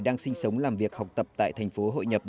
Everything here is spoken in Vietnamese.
đang sinh sống làm việc học tập tại thành phố hội nhập